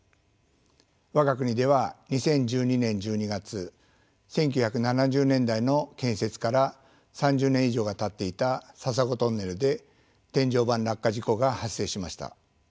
我が国では２０１２年１２月１９７０年代の建設から３０年以上がたっていた笹子トンネルで天井板落下事故が発生しました。